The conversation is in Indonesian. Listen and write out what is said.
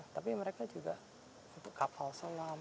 tapi mereka juga untuk kapal selam